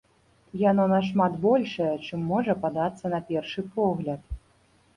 Яно нашмат большае, чым можа падацца на першы погляд.